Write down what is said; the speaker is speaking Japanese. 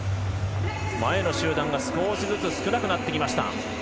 前の集団が少しずつ少なくなってきました。